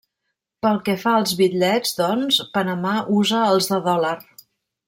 Pel que fa als bitllets, doncs, Panamà usa els de dòlar.